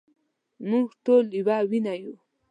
مونږ ټول يوه وينه يو